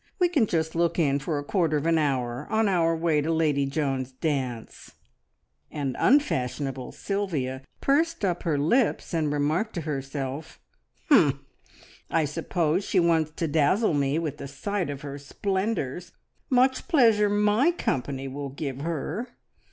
We can just look in for a quarter of an hour on our way to Lady Joan's dance;" and unfashionable Sylvia pursed up her lips and remarked to herself, "Humph! I suppose she wants to dazzle me with the sight of her splendours. Much `pleasure' my company will give her!